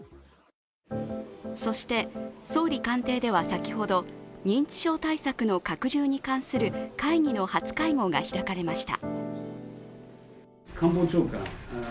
そして総理官邸では先ほど、認知症対策の拡充に関する会議の初会合が開かれました。